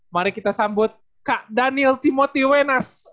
mari kita sambut kak daniel timoti wenas